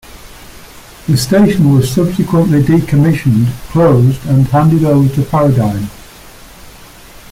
The station was subsequently decommissioned, closed and handed over to Paradigm.